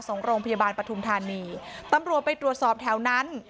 ส่งโรงพยาบาลปฐุมธานีตำรวจไปตรวจสอบแถวนั้น